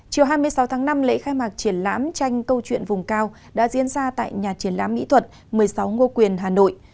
chiều hai mươi sáu tháng năm lễ khai mạc triển lãm tranh câu chuyện vùng cao đã diễn ra tại nhà triển lãm mỹ thuật một mươi sáu ngô quyền hà nội